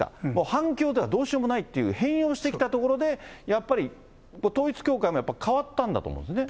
反共ではどうしようもないと、変容してきたところで、やっぱり統一教会もやっぱり変わったんだと思うんですね。